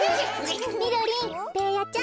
みろりんベーヤちゃん。